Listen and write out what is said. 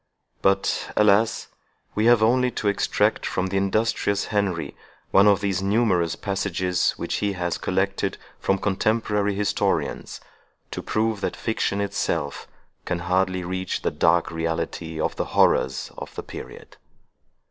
But, alas! we have only to extract from the industrious Henry one of those numerous passages which he has collected from contemporary historians, to prove that fiction itself can hardly reach the dark reality of the horrors of the period.